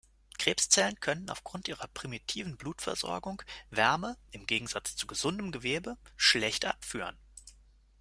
Krebszellen können aufgrund ihrer primitiven Blutversorgung Wärme im Gegensatz zu gesundem Gewebe schlecht abführen.